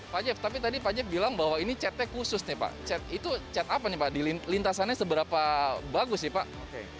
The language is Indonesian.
pak jeff tapi tadi pak jeff bilang bahwa ini chatnya khusus nih pak chat itu chat apa nih pak di lintasannya seberapa bagus sih pak